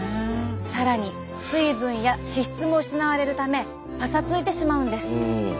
更に水分や脂質も失われるためパサついてしまうんです。